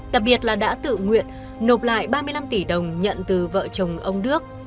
đặc biệt là đã tự nguyện nộp lại ba mươi năm tỷ đồng nhận từ vợ chồng ông đức